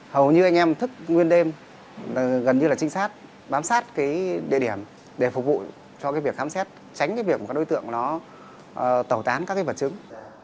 hầu như anh em thức nguyên đêm gần như là trinh sát bám sát cái địa điểm để phục vụ cho cái việc khám xét tránh cái việc các đối tượng nó tẩu tán các cái vật chứng